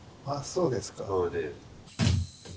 そうですか。